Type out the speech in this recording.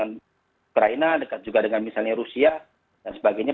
karena kita dekat dengan ukraina dekat juga dengan misalnya rusia dan sebagainya